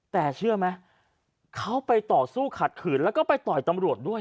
แต่เชื่อไหมเขาไปต่อสู้ขัดขืนแล้วก็ไปต่อยตำรวจด้วย